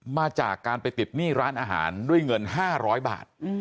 มาจากการไปติดหนี้ร้านอาหารด้วยเงิน๕๐๐บาท